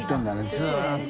ずっと。